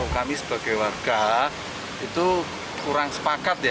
kami sebagai warga itu kurang sepakat ya